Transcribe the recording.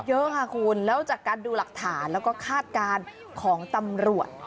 เยอะค่ะคุณแล้วจากการดูหลักฐานแล้วก็คาดการณ์ของตำรวจ